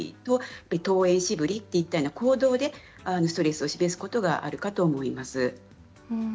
登園しぶりという行動でストレスを示すことがあると思います。